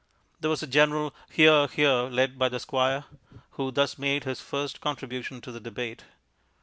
There was a general "Hear, hear," led by the Squire, who thus made his first contribution to the debate.